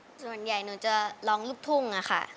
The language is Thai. ส่วนใหญ่หนูจะร้องลูกทุ่งค่ะ